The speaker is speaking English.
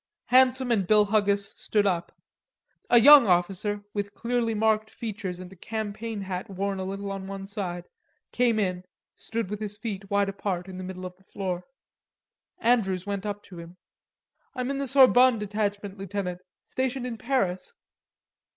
Handsome and Bill Huggis stood up. A young officer, with clearly marked features and a campaign hat worn a little on one side, came in, stood with his feet wide apart in the middle of the floor. Andrews went up to him. "I'm in the Sorbonne Detachment, Lieutenant, stationed in Paris."